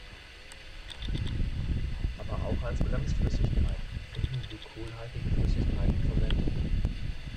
Aber auch als Bremsflüssigkeit finden Glycol-haltige Flüssigkeiten Verwendung.